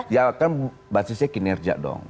ya kan basisnya kinerja dong